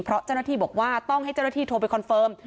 เพราะเจ้าหน้าที่บอกว่าต้องให้เจ้าหน้าที่โทรไปคอนเฟิร์ม